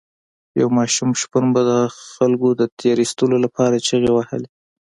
یو ماشوم شپون به د خلکو د تیر ایستلو لپاره چیغې وهلې.